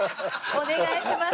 お願いします